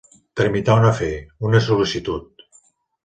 Tramitar un afer, una sol·licitud.